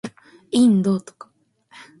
インド